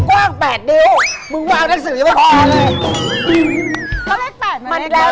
กว้าง๘นิ้วมึงว่าเลขสื่อยังไม่พอเลย